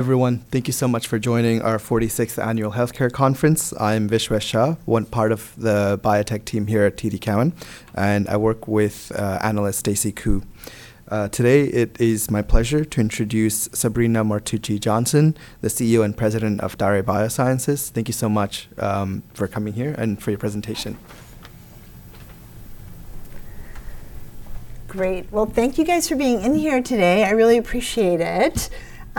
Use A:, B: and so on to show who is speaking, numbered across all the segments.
A: Everyone, thank you so much for joining our 46th Annual Healthcare Conference. I'm Vishwa Shah, one part of the biotech team here at TD Cowen, and I work with Analyst Stacy Koo. Today it is my pleasure to introduce Sabrina Martucci Johnson, the CEO and President of Daré Bioscience. Thank you so much for coming here and for your presentation.
B: Great. Well, thank you guys for being in here today. I really appreciate it.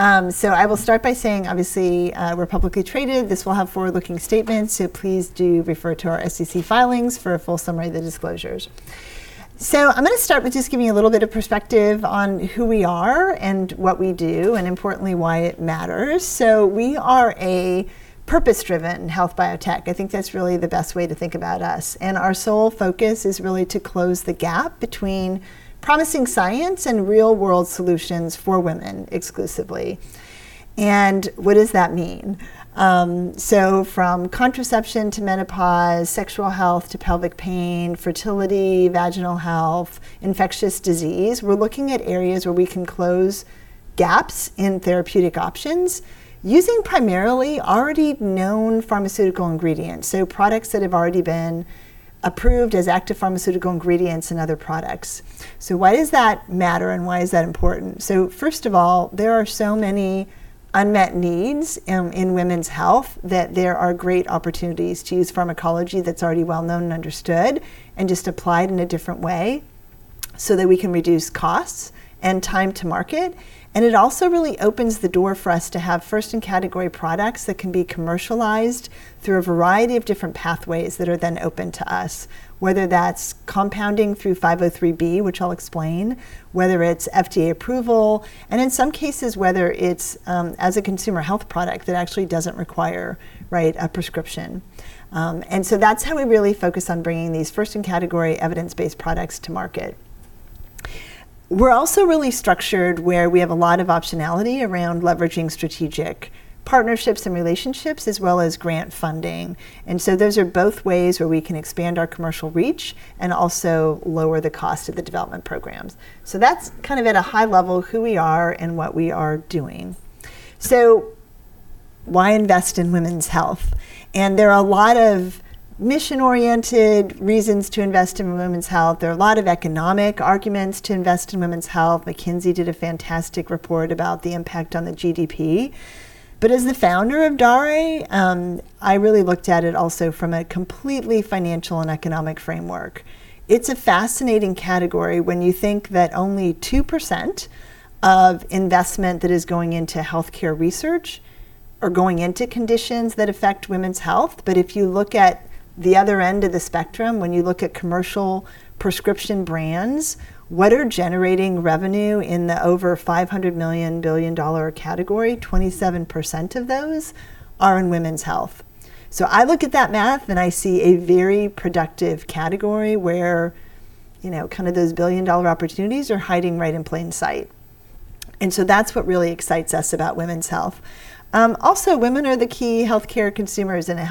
B: I will start by saying, obviously, we're publicly traded. This will have forward-looking statements, so please do refer to our SEC filings for a full summary of the disclosures. I'm going to start with just giving a little bit of perspective on who we are and what we do, and importantly, why it matters. We are a purpose-driven health biotech. I think that's really the best way to think about us. Our sole focus is really to close the gap between promising science and real-world solutions for women exclusively. What does that mean? From contraception to menopause, sexual health to pelvic pain, fertility, vaginal health, infectious disease, we're looking at areas where we can close gaps in therapeutic options using primarily already known pharmaceutical ingredients. Products that have already been approved as active pharmaceutical ingredients in other products. Why does that matter and why is that important? First of all, there are so many unmet needs in women's health that there are great opportunities to use pharmacology that's already well-known and understood, and just applied in a different way so that we can reduce costs and time to market. It also really opens the door for us to have first-in-category products that can be commercialized through a variety of different pathways that are then open to us, whether that's compounding through 503B, which I'll explain, whether it's FDA approval, and in some cases, whether it's as a consumer health product that actually doesn't require a prescription. That's how we really focus on bringing these first-in-category, evidence-based products to market. We're also really structured where we have a lot of optionality around leveraging strategic partnerships and relationships, as well as grant funding. Those are both ways where we can expand our commercial reach and also lower the cost of the development programs. That's at a high level who we are and what we are doing. Why invest in women's health? There are a lot of mission-oriented reasons to invest in women's health. There are a lot of economic arguments to invest in women's health. McKinsey did a fantastic report about the impact on the GDP. As the founder of Daré, I really looked at it also from a completely financial and economic framework. It's a fascinating category when you think that only 2% of investment that is going into healthcare research are going into conditions that affect women's health. If you look at the other end of the spectrum, when you look at commercial prescription brands, what are generating revenue in the over $500 million, billion-dollar category? 27% of those are in women's health. I look at that math and I see a very productive category where those billion-dollar opportunities are hiding right in plain sight. That's what really excites us about women's health. Also, women are the key healthcare consumers in a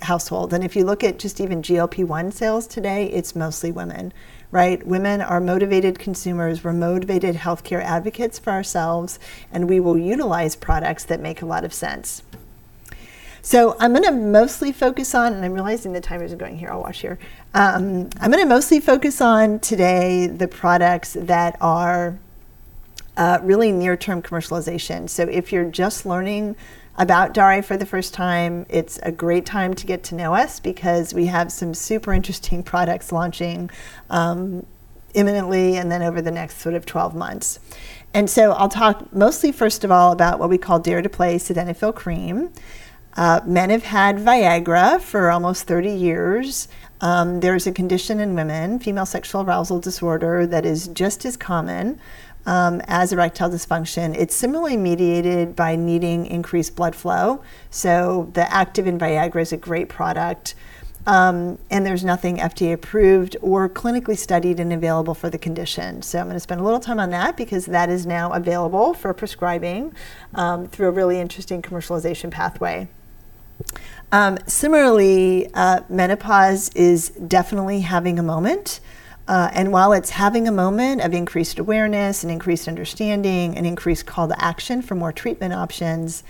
B: household. If you look at just even GLP-1 sales today, it's mostly women. Women are motivated consumers. We're motivated healthcare advocates for ourselves, and we will utilize products that make a lot of sense. I'm realizing the timer's going here. I'll watch here. I'm going to mostly focus on today the products that are really near-term commercialization. If you're just learning about Daré for the first time, it's a great time to get to know us, because we have some super interesting products launching imminently, and then over the next 12 months. I'll talk mostly, first of all, about what we call DARE to PLAY Sildenafil Cream. Men have had Viagra for almost 30 years. There is a condition in women, female sexual arousal disorder, that is just as common as erectile dysfunction. It's similarly mediated by needing increased blood flow. The active in Viagra is a great product, and there's nothing FDA-approved or clinically studied and available for the condition. I'm going to spend a little time on that, because that is now available for prescribing through a really interesting commercialization pathway. Similarly, menopause is definitely having a moment. While it's having a moment of increased awareness and increased understanding and increased call to action for more treatment options,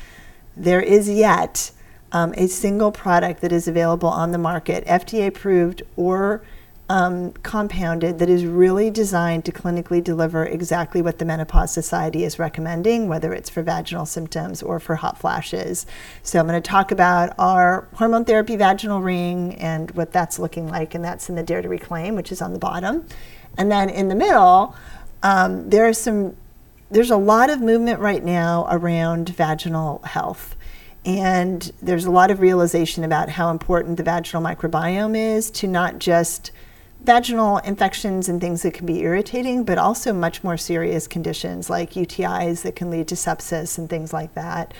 B: there is yet a single product that is available on the market, FDA-approved or compounded, that is really designed to clinically deliver exactly what The Menopause Society is recommending, whether it's for vaginal symptoms or for hot flashes. I'm going to talk about our hormone therapy vaginal ring and what that's looking like, and that's in the DARE to RECLAIM, which is on the bottom. Then in the middle, there's a lot of movement right now around vaginal health. There's a lot of realization about how important the vaginal microbiome is to not just vaginal infections and things that can be irritating, but also much more serious conditions like UTIs that can lead to sepsis and things like that.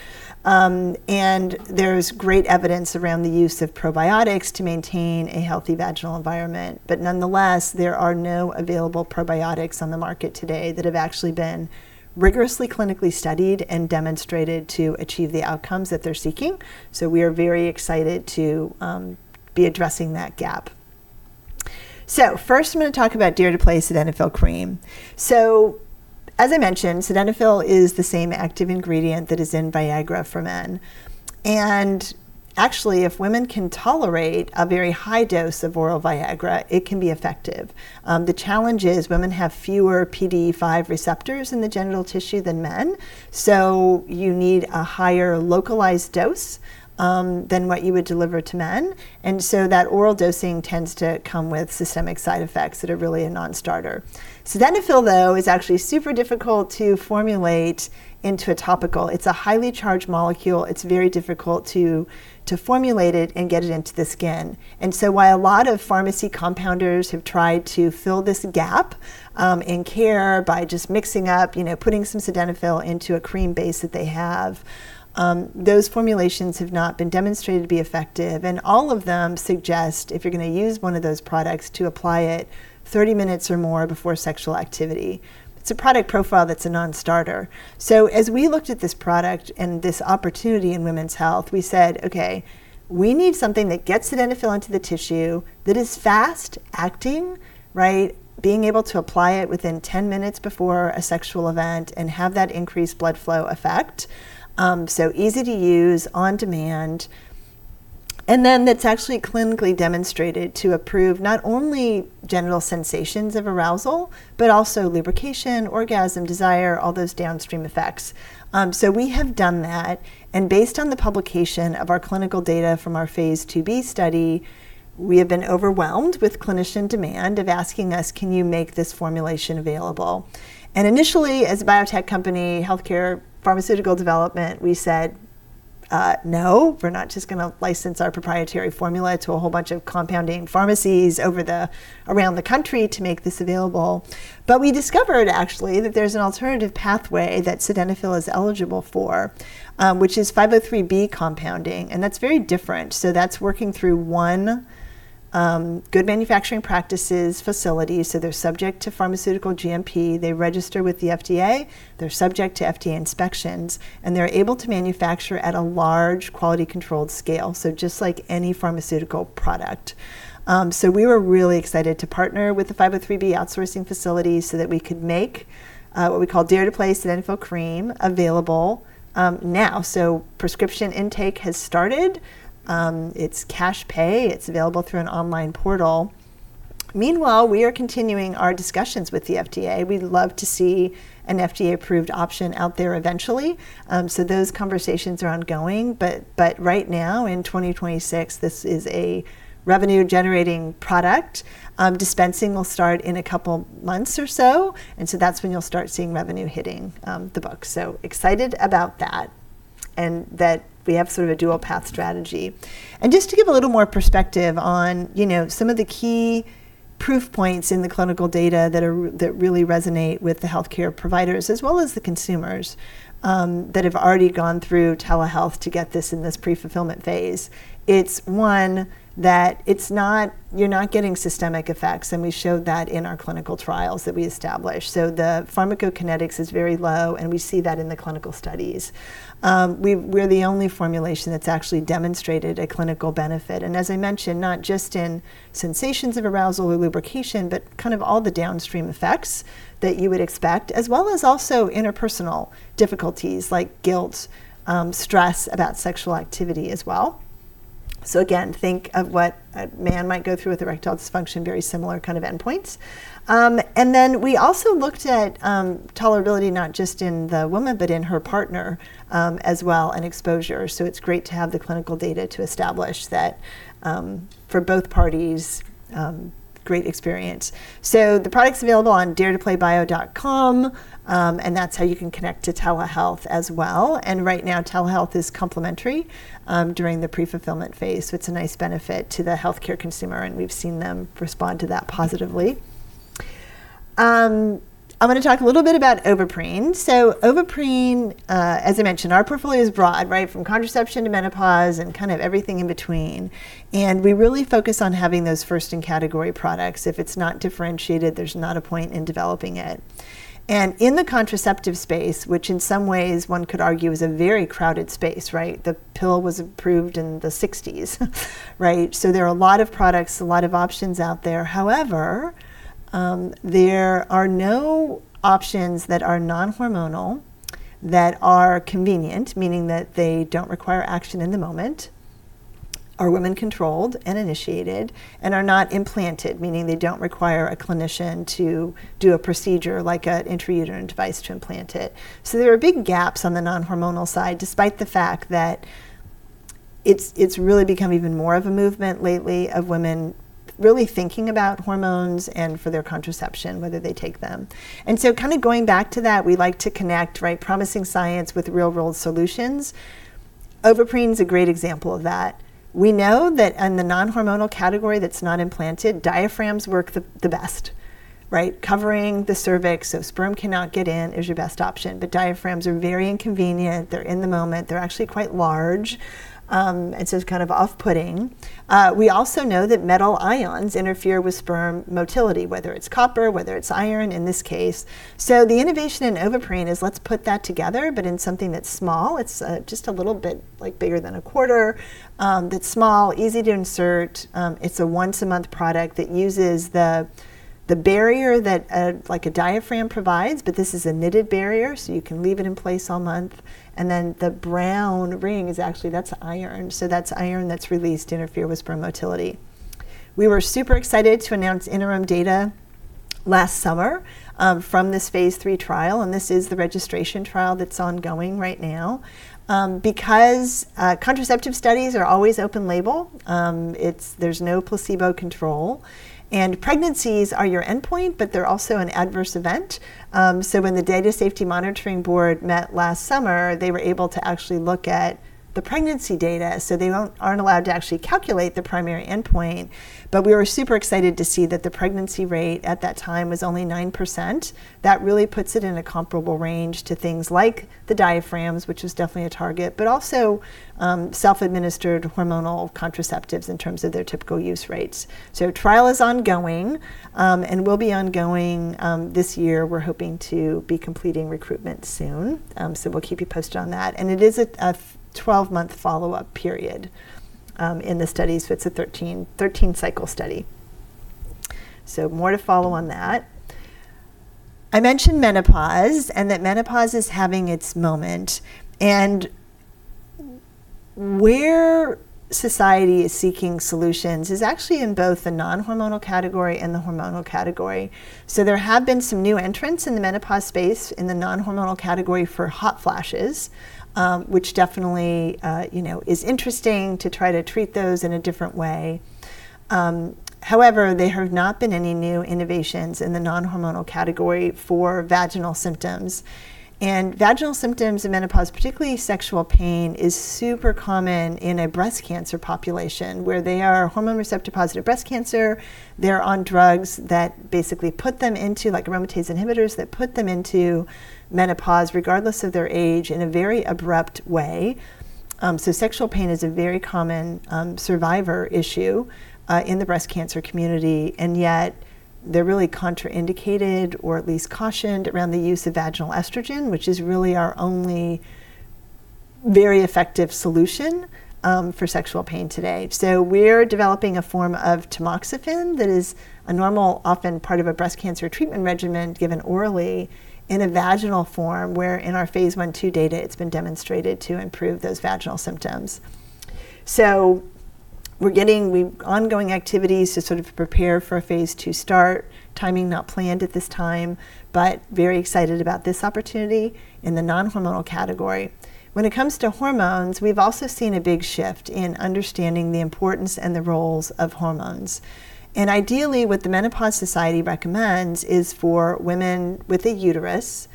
B: There's great evidence around the use of probiotics to maintain a healthy vaginal environment. Nonetheless, there are no available probiotics on the market today that have actually been rigorously clinically studied and demonstrated to achieve the outcomes that they're seeking. We are very excited to be addressing that gap. First, I'm going to talk about DARE to PLAY Sildenafil Cream. As I mentioned, sildenafil is the same active ingredient that is in Viagra for men. Actually, if women can tolerate a very high dose of oral Viagra, it can be effective. The challenge is women have fewer PDE5 receptors in the genital tissue than men, so you need a higher localized dose than what you would deliver to men. That oral dosing tends to come with systemic side effects that are really a non-starter. Sildenafil, though, is actually super difficult to formulate into a topical. It's a highly charged molecule. It's very difficult to formulate it and get it into the skin. While a lot of pharmacy compounders have tried to fill this gap in care by just mixing up, putting some sildenafil into a cream base that they have, those formulations have not been demonstrated to be effective. All of them suggest, if you're going to use one of those products, to apply it 30 minutes or more before sexual activity. It's a product profile that's a non-starter. As we looked at this product and this opportunity in women's health, we said, "Okay, we need something that gets sildenafil into the tissue that is fast-acting." Being able to apply it within 10 minutes before a sexual event and have that increased blood flow effect. Easy to use, on demand, then that's actually clinically demonstrated to improve not only genital sensations of arousal, but also lubrication, orgasm, desire, all those downstream effects. We have done that, and based on the publication of our clinical data from our phase II-B study, we have been overwhelmed with clinician demand of asking us, "Can you make this formulation available?" Initially, as a biotech company, healthcare, pharmaceutical development, we said, "No. We're not just going to license our proprietary formula to a whole bunch of compounding pharmacies around the country to make this available." We discovered, actually, that there's an alternative pathway that sildenafil is eligible for, which is 503B compounding, and that's very different. That's working through one good manufacturing practices facility. They're subject to pharmaceutical GMP. They register with the FDA. They're subject to FDA inspections, and they're able to manufacture at a large quality-controlled scale. Just like any pharmaceutical product. We were really excited to partner with the 503B outsourcing facility so that we could make what we call DARE to PLAY Sildenafil Cream available now. Prescription intake has started. It's cash pay. It's available through an online portal. Meanwhile, we are continuing our discussions with the FDA. We'd love to see an FDA-approved option out there eventually. Those conversations are ongoing. Right now, in 2026, this is a revenue-generating product. Dispensing will start in a couple months or so, that's when you'll start seeing revenue hitting the books. Excited about that, and that we have sort of a dual path strategy. Just to give a little more perspective on some of the key proof points in the clinical data that really resonate with the healthcare providers as well as the consumers that have already gone through telehealth to get this in this pre-fulfillment phase. It's one that you're not getting systemic effects, we showed that in our clinical trials that we established. The pharmacokinetics is very low, and we see that in the clinical studies. We're the only formulation that's actually demonstrated a clinical benefit, as I mentioned, not just in sensations of arousal or lubrication, but kind of all the downstream effects that you would expect, as well as also interpersonal difficulties like guilt, stress about sexual activity as well. Again, think of what a man might go through with erectile dysfunction, very similar kind of endpoints. We also looked at tolerability not just in the woman, but in her partner as well, and exposure. It's great to have the clinical data to establish that for both parties. Great experience. The product's available on daretoplaybio.com, and that's how you can connect to telehealth as well. Right now, telehealth is complimentary during the pre-fulfillment phase, so it's a nice benefit to the healthcare consumer, and we've seen them respond to that positively. I'm going to talk a little bit about Ovaprene. Ovaprene, as I mentioned, our portfolio is broad. From contraception to menopause and kind of everything in between. We really focus on having those first-in-category products. If it's not differentiated, there's not a point in developing it. In the contraceptive space, which in some ways one could argue is a very crowded space. The pill was approved in the '60s. There are a lot of products, a lot of options out there. However, there are no options that are non-hormonal, that are convenient, meaning that they don't require action in the moment, are women-controlled and initiated, and are not implanted, meaning they don't require a clinician to do a procedure like an intrauterine device to implant it. There are big gaps on the non-hormonal side, despite the fact that it's really become even more of a movement lately of women really thinking about hormones and for their contraception, whether they take them. Kind of going back to that, we like to connect promising science with real-world solutions. Ovaprene's a great example of that. We know that in the non-hormonal category that's not implanted, diaphragms work the best. Covering the cervix so sperm cannot get in is your best option. Diaphragms are very inconvenient. They're in the moment. They're actually quite large. It's kind of off-putting. We also know that metal ions interfere with sperm motility, whether it's copper, whether it's iron, in this case. The innovation in Ovaprene is let's put that together, but in something that's small. It's just a little bit bigger than a quarter. That's small, easy to insert. It's a once-a-month product that uses the barrier that a diaphragm provides, but this is a knitted barrier, so you can leave it in place all month. The brown ring is actually iron. That's iron that's released to interfere with sperm motility. We were super excited to announce interim data last summer from this phase III trial, and this is the registration trial that's ongoing right now. Because contraceptive studies are always open label, there's no placebo control, and pregnancies are your endpoint, but they're also an adverse event. When the data safety monitoring board met last summer, they were able to actually look at the pregnancy data. They aren't allowed to actually calculate the primary endpoint, but we were super excited to see that the pregnancy rate at that time was only 9%. That really puts it in a comparable range to things like the diaphragms, which was definitely a target, but also self-administered hormonal contraceptives in terms of their typical use rates. Trial is ongoing and will be ongoing this year. We're hoping to be completing recruitment soon. We'll keep you posted on that. It is a 12-month follow-up period in the study, so it's a 13-cycle study. More to follow on that. I mentioned menopause and that menopause is having its moment. Where society is seeking solutions is actually in both the non-hormonal category and the hormonal category. There have been some new entrants in the menopause space in the non-hormonal category for hot flashes, which definitely is interesting to try to treat those in a different way. However, there have not been any new innovations in the non-hormonal category for vaginal symptoms. Vaginal symptoms in menopause, particularly sexual pain, is super common in a breast cancer population, where they are hormone receptor-positive breast cancer. They're on drugs, like aromatase inhibitors, that put them into menopause regardless of their age in a very abrupt way. Sexual pain is a very common survivor issue in the breast cancer community, and yet they're really contraindicated, or at least cautioned, around the use of vaginal estrogen, which is really our only very effective solution for sexual pain today. We're developing a form of tamoxifen that is a normal, often part of a breast cancer treatment regimen given orally, in a vaginal form, where in our phase I/II data, it's been demonstrated to improve those vaginal symptoms. We're getting ongoing activities to sort of prepare for a phase II start. Timing not planned at this time, but very excited about this opportunity in the non-hormonal category. When it comes to hormones, we've also seen a big shift in understanding the importance and the roles of hormones. Ideally, what The Menopause Society recommends is for women with a uterus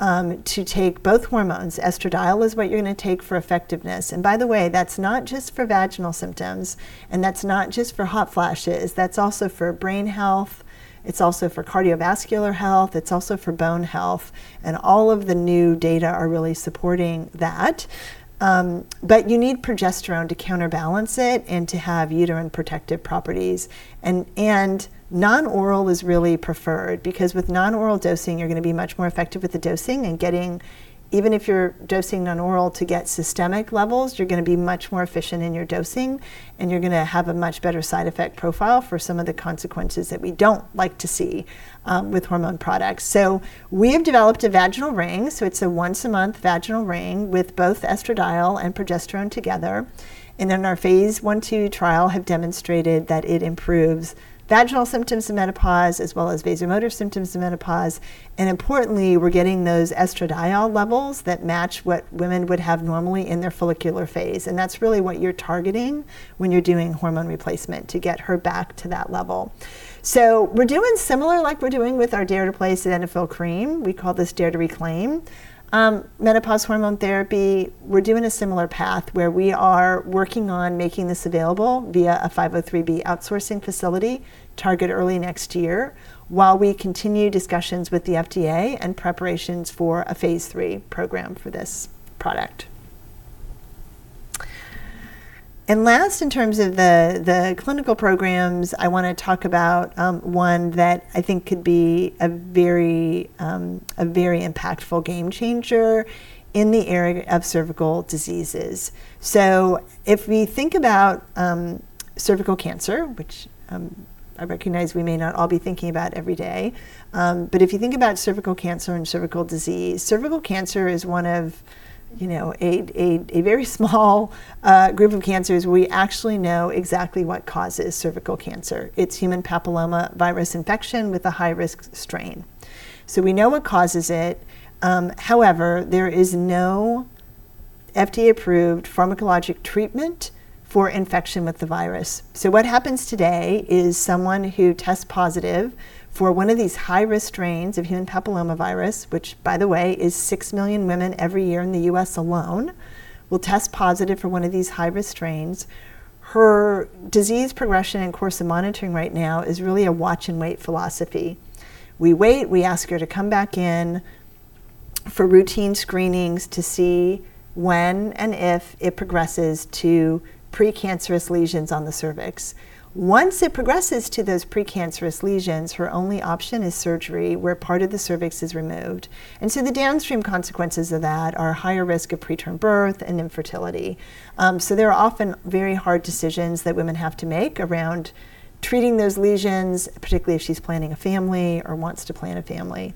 B: to take both hormones. Estradiol is what you're going to take for effectiveness. By the way, that's not just for vaginal symptoms, and that's not just for hot flashes. That's also for brain health, it's also for cardiovascular health, it's also for bone health. All of the new data are really supporting that. You need progesterone to counterbalance it and to have uterine protective properties. Non-oral is really preferred, because with non-oral dosing, you're going to be much more effective with the dosing. Even if you're dosing non-oral to get systemic levels, you're going to be much more efficient in your dosing, and you're going to have a much better side effect profile for some of the consequences that we don't like to see with hormone products. We have developed a vaginal ring. It's a once-a-month vaginal ring with both estradiol and progesterone together. In our phase I/II trial, have demonstrated that it improves vaginal symptoms of menopause as well as vasomotor symptoms of menopause. Importantly, we're getting those estradiol levels that match what women would have normally in their follicular phase. That's really what you're targeting when you're doing hormone replacement, to get her back to that level. We're doing similar like we're doing with our DARE to PLAY Sildenafil Cream. We call this DARE to RECLAIM. Menopause hormone therapy, we're doing a similar path, where we are working on making this available via a 503B outsourcing facility, target early next year, while we continue discussions with the FDA and preparations for a phase III program for this product. Last, in terms of the clinical programs, I want to talk about one that I think could be a very impactful game changer in the area of cervical diseases. If we think about cervical cancer, which I recognize we may not all be thinking about every day, but if you think about cervical cancer and cervical disease, cervical cancer is one of a very small group of cancers we actually know exactly what causes cervical cancer. It's human papillomavirus infection with a high-risk strain. We know what causes it. However, there is no FDA-approved pharmacologic treatment for infection with the virus. What happens today is someone who tests positive for one of these high-risk strains of human papillomavirus, which by the way, is 6 million women every year in the U.S. alone, will test positive for one of these high-risk strains. Her disease progression and course of monitoring right now is really a watch and wait philosophy. We wait, we ask her to come back in for routine screenings to see when and if it progresses to pre-cancerous lesions on the cervix. Once it progresses to those pre-cancerous lesions, her only option is surgery, where part of the cervix is removed. The downstream consequences of that are higher risk of preterm birth and infertility. They're often very hard decisions that women have to make around treating those lesions, particularly if she's planning a family or wants to plan a family.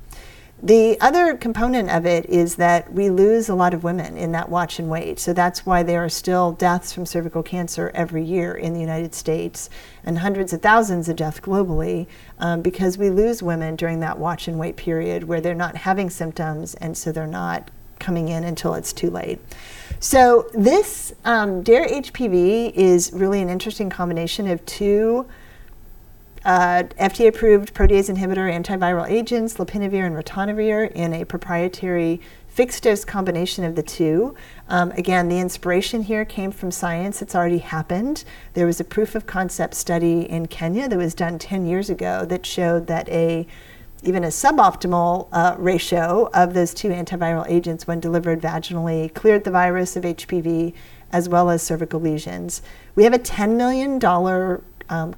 B: The other component of it is that we lose a lot of women in that watch and wait. That's why there are still deaths from cervical cancer every year in the United States, and hundreds of thousands of deaths globally, because we lose women during that watch and wait period where they're not having symptoms, and so they're not coming in until it's too late. This DARE-HPV is really an interesting combination of two FDA-approved protease inhibitor antiviral agents, lopinavir and ritonavir, in a proprietary fixed-dose combination of the two. Again, the inspiration here came from science that's already happened. There was a proof of concept study in Kenya that was done 10 years ago that showed that even a suboptimal ratio of those two antiviral agents when delivered vaginally, cleared the virus of HPV as well as cervical lesions. We have a $10 million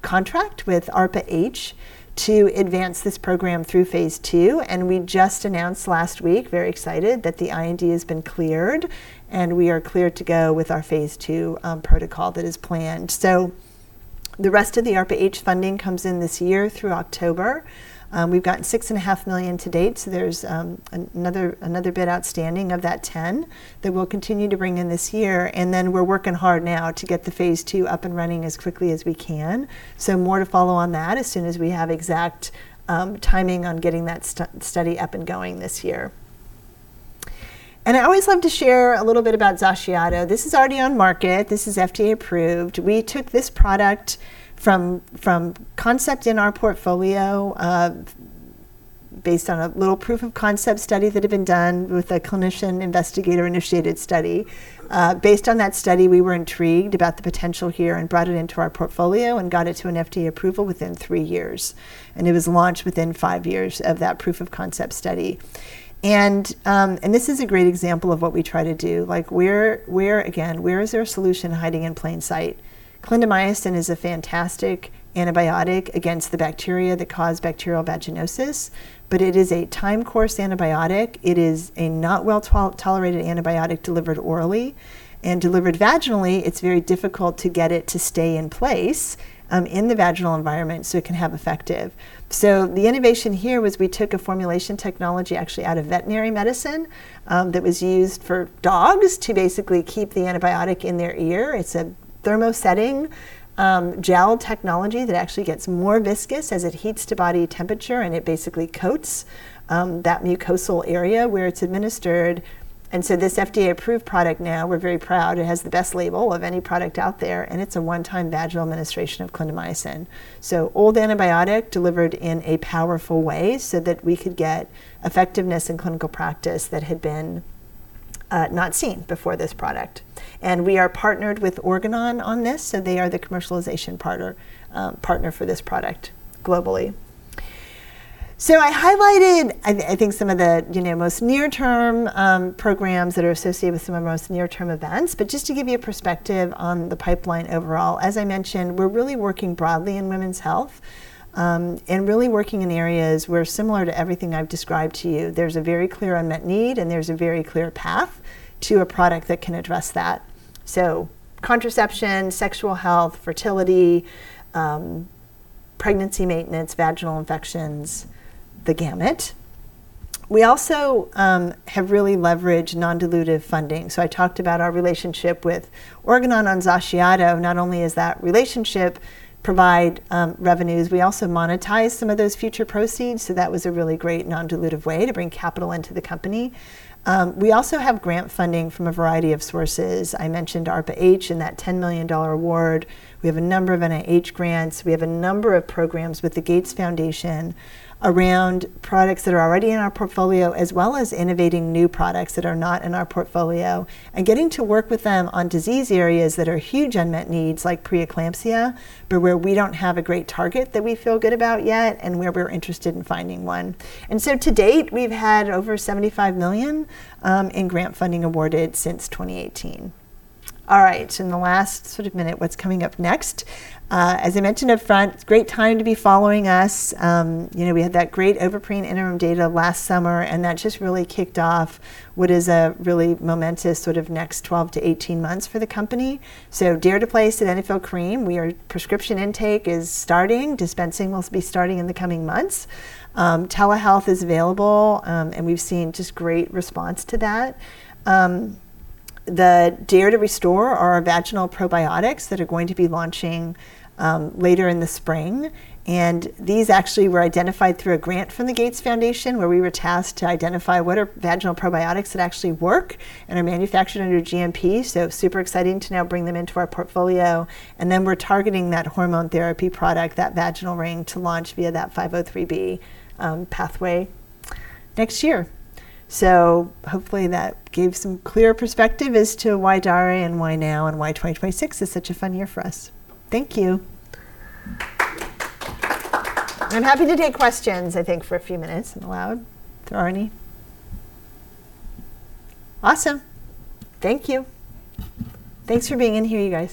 B: contract with ARPA-H to advance this program through phase II, and we just announced last week, very excited, that the IND has been cleared, and we are cleared to go with our phase II protocol that is planned. The rest of the ARPA-H funding comes in this year through October. We've gotten $6.5 million to date, there's another bit outstanding of that 10 that we'll continue to bring in this year. We're working hard now to get the phase II up and running as quickly as we can. More to follow on that as soon as we have exact timing on getting that study up and going this year. I always love to share a little bit about XACIATO. This is already on market. This is FDA-approved. We took this product from concept in our portfolio, based on a little proof of concept study that had been done with a clinician investigator-initiated study. Based on that study, we were intrigued about the potential here and brought it into our portfolio and got it to an FDA approval within 3 years, and it was launched within 5 years of that proof of concept study. This is a great example of what we try to do. Again, where is there a solution hiding in plain sight? clindamycin is a fantastic antibiotic against the bacteria that cause bacterial vaginosis, but it is a time-course antibiotic. It is a not well-tolerated antibiotic delivered orally. Delivered vaginally, it's very difficult to get it to stay in place in the vaginal environment so it can have effective. The innovation here was we took a formulation technology actually out of veterinary medicine, that was used for dogs to basically keep the antibiotic in their ear. It's a thermosetting gel technology that actually gets more viscous as it heats to body temperature, and it basically coats that mucosal area where it's administered. This FDA-approved product now, we're very proud, it has the best label of any product out there, and it's a one-time vaginal administration of clindamycin. Old antibiotic delivered in a powerful way so that we could get effectiveness in clinical practice that had been not seen before this product. We are partnered with Organon on this, so they are the commercialization partner for this product globally. I highlighted, I think, some of the most near-term programs that are associated with some of the most near-term events. Just to give you a perspective on the pipeline overall, as I mentioned, we're really working broadly in women's health, and really working in areas where similar to everything I've described to you, there's a very clear unmet need and there's a very clear path to a product that can address that. Contraception, sexual health, fertility, pregnancy maintenance, vaginal infections, the gamut. We also have really leveraged non-dilutive funding. I talked about our relationship with Organon on XACIATO. Not only is that relationship provide revenues, we also monetize some of those future proceeds, that was a really great non-dilutive way to bring capital into the company. We also have grant funding from a variety of sources. I mentioned ARPA-H and that $10 million award. We have a number of NIH grants. We have a number of programs with the Gates Foundation around products that are already in our portfolio, as well as innovating new products that are not in our portfolio, and getting to work with them on disease areas that are huge unmet needs like preeclampsia, but where we don't have a great target that we feel good about yet and where we're interested in finding one. To date, we've had over $75 million in grant funding awarded since 2018. All right. In the last sort of minute, what's coming up next? As I mentioned up front, it's great time to be following us. We had that great Ovaprene interim data last summer, and that just really kicked off what is a really momentous sort of next 12-18 months for the company. DARE to PLAY Sildenafil Cream, prescription intake is starting. Dispensing will be starting in the coming months. Telehealth is available, and we've seen just great response to that. The DARE to RESTORE are our vaginal probiotics that are going to be launching later in the spring, and these actually were identified through a grant from the Gates Foundation, where we were tasked to identify what are vaginal probiotics that actually work and are manufactured under GMP. Super exciting to now bring them into our portfolio. We're targeting that hormone therapy product, that vaginal ring, to launch via that 503B pathway next year. Hopefully, that gave some clear perspective as to why Daré and why now and why 2026 is such a fun year for us. Thank you. I'm happy to take questions, I think, for a few minutes, if allowed. If there are any. Awesome. Thank you. Thanks for being in here, you guys.